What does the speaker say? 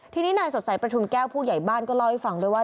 ทีนี้นายสดใสประทุมแก้วผู้ใหญ่บ้านก็เล่าให้ฟังด้วยว่า